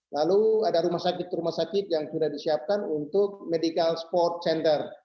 lalu ada rumah sakit rumah sakit yang sudah disiapkan untuk medical sport channer